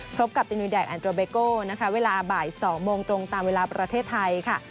พบกับตินูแดงแอนโดรเบโก้นะคะเวลาบ่าย๒โมงตรงตามเวลาประเทศไทยค่ะ